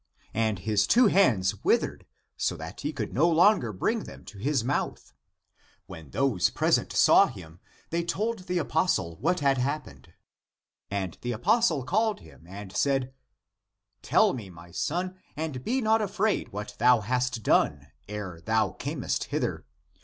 And his two hands with ered, so that he could no longer bring them to his mouth. When those present saw him, they told the apostle what had happened. And the apostle called him and said, " Tell me, my son, and be not afraid, what thou hast done, ere thou camest hither.